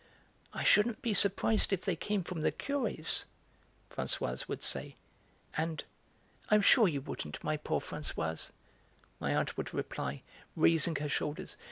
"I shouldn't be surprised if they came from the Curé's," Françoise would say, and: "I'm sure you wouldn't, my poor Françoise," my aunt would reply, raising her shoulders.